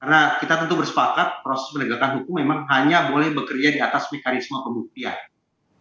karena kita tentu bersepakat proses penegakan hukum memang hanya boleh bekerja diatas mekarisma pembuktian